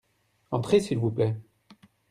Entrez s'il vous plait.